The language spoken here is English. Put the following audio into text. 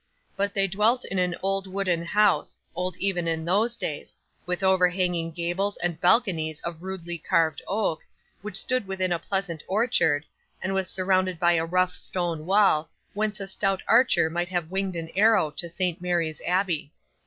But they dwelt in an old wooden house old even in those days with overhanging gables and balconies of rudely carved oak, which stood within a pleasant orchard, and was surrounded by a rough stone wall, whence a stout archer might have winged an arrow to St Mary's Abbey.